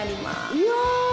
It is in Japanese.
いや！